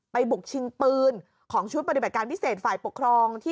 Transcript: บุกชิงปืนของชุดปฏิบัติการพิเศษฝ่ายปกครองที่